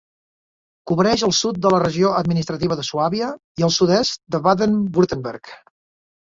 Cobreix el sud de la regió administrativa de Suàbia i el sud-est de Baden-Württemberg.